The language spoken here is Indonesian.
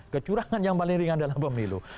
kecurangan yang paling ringan dalam pemilu